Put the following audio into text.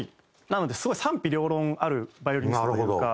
なのですごい賛否両論あるバイオリニストというか。